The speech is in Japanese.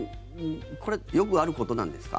これはよくあることなんですか？